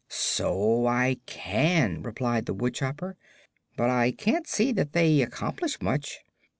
"So I can," replied the woodchopper; "but I can't see that they accomplish much.